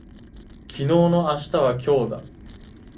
昨日の明日は今日だ